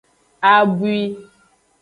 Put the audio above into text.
Abwi.